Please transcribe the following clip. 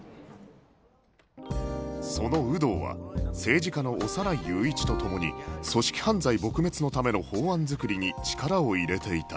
その有働は政治家の小山内雄一と共に組織犯罪撲滅のための法案作りに力を入れていた